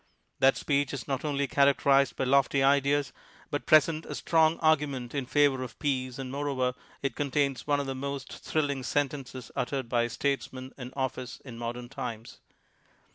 That speech is not only characterized by lofty ideas, but presents a strong argument in favor of peace and moreover it contains one of the most thrill ing sentences uttered by a statesman in office in modern times.